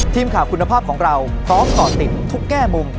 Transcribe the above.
ทีมข่าวคุณภาพของเราพร้อมก่อติดทุกแง่มุม